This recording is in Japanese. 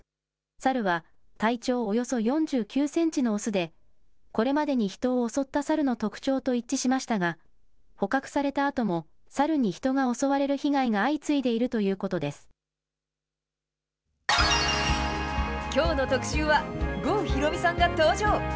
猿は体長およそ４９センチの雄で、これまでに人を襲った猿の特徴と一致しましたが、捕獲されたあとも、猿に人が襲われる被害が相次いでいるというこきょうの特集は、郷ひろみさんが登場。